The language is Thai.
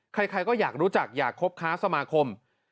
ใครก็อยากรู้จักอยากคบค้าสมาคม